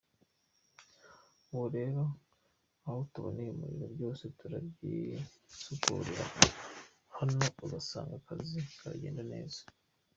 Ubu rero aho tuboneye umuriro, byose turabyisukurira hano ugasanga akazi karagenda neza.